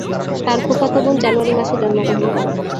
তার ফুফাতো বোন জানুয়ারি মাসে জন্মগ্রহণ করে।